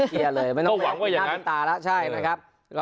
ต้องหวังว่าอย่างนั้น